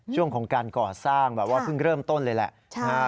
ช่วงของการก่อสร้างแบบว่าเพิ่งเริ่มต้นเลยแหละ